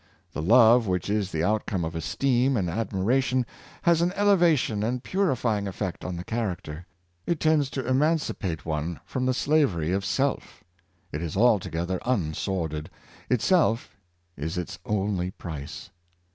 The love which is the outcome of esteem and admiration has an eleva tion and purifying effect on the character. It tends to emancipate one from the slavery of self. It is alto gether unsordid; itself is its only price.